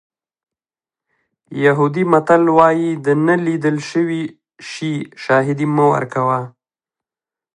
یهودي متل وایي د نه لیدل شوي شي شاهدي مه ورکوه.